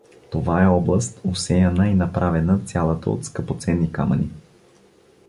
— Това е област, осеяна и направена цялата от скъпоценни камъни.